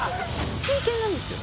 真剣なんですよ。